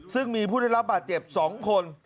ซึ่งมีผู้ได้รับบาดเจ็บ๒คน